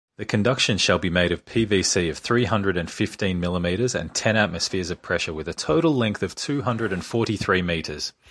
The conduction shall be made of PVC of three hundred and fifteen millimeters and ten atmospheres of pressure with a total length of two hundred and forty-three meters.